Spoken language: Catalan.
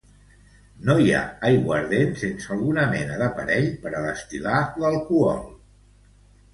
No hi ha aiguardent sense alguna mena d’aparell per a destil·lar l’alcohol.